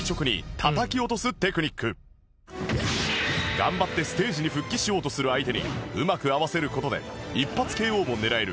頑張ってステージに復帰しようとする相手にうまく合わせる事で一発 ＫＯ も狙える